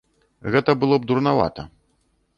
Гэта было б дурнавата.